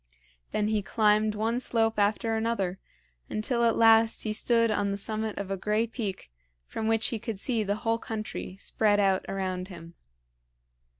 Then he climbed one slope after another, until at last he stood on the summit of a gray peak from which he could see the whole country spread out around him.